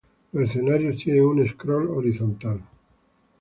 Los escenarios tiene un scroll horizontal.